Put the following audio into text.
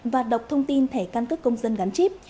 và đọc thông tin thẻ căn cước công dân gắn chip